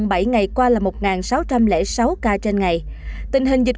bến tre tám